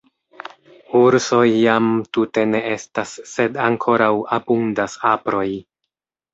Ursoj jam tute ne estas sed ankoraŭ abundas aproj.